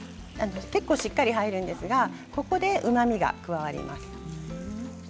結構しっかり入るんですがここでうまみが加わります。